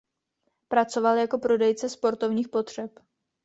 Pracoval jako prodejce sportovních potřeb.